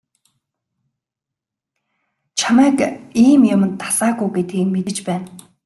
Чамайг ийм юманд дасаагүй гэдгийг мэдэж байна.